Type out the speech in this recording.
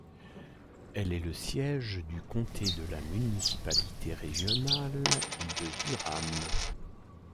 Elle est le siège du comté de la Municipalité régionale de Durham.